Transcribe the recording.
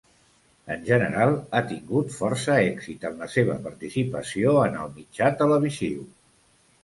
En general, ha tingut força èxit en la seva participació en el mitjà televisiu.